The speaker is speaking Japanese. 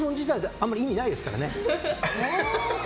あんまり意味ないですからね。